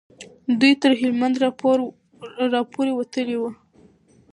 دوی تر هلمند را پورې وتلي وو.